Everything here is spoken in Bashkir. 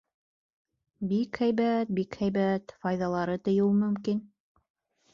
— Бик һәйбәт, бик һәйбәт, файҙалары тейеү мөмкин...